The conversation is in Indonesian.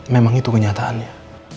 memang itu kenyataannya